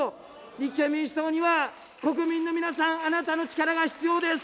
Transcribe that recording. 立憲民主党には、国民の皆さん、あなたの力が必要です。